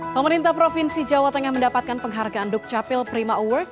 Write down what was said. pemerintah provinsi jawa tengah mendapatkan penghargaan dukcapil prima award